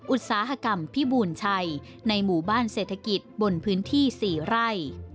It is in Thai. อุตสาหกรรมพิบูรณ์ชัยในหมู่บ้านเศรษฐกิจบนพื้นที่๔ไร่